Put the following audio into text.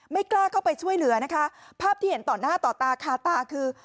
กล้าเข้าไปช่วยเหลือนะคะภาพที่เห็นต่อหน้าต่อตาคาตาคือ